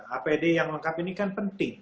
apd yang lengkap ini kan penting